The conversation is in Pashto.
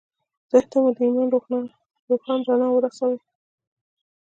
ذهن ته مو د ایمان روښانه رڼا ورسوئ